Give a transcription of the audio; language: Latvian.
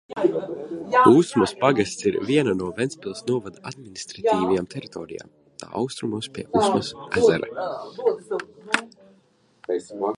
Usmas pagasts ir viena no Ventspils novada administratīvajām teritorijām tā austrumos pie Usmas ezera.